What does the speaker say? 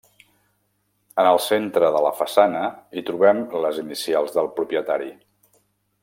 En el centre de la façana hi trobem les inicials del propietari.